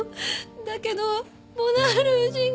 だけどボナール夫人が。